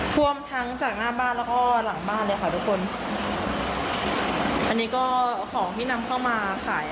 ท่วมทั้งจากหน้าบ้านแล้วก็หลังบ้านเลยค่ะทุกคนอันนี้ก็ของที่นำเข้ามาขาย